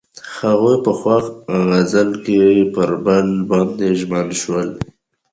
هغوی په خوښ غزل کې پر بل باندې ژمن شول.